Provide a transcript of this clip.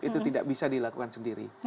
itu tidak bisa dilakukan sendiri